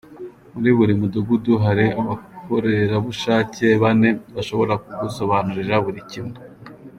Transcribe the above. Muri buri mudugudu hari abakorerabushake bane bashobora kugusobanurira buri kimwe.